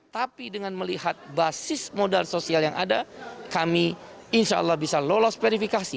tapi dengan melihat basis modal sosial yang ada kami insya allah bisa lolos verifikasi